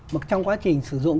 mà trong quá trình sử dụng